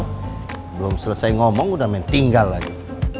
belum selesai ngomong udah main tinggal lagi